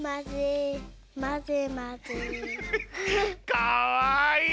かわいい！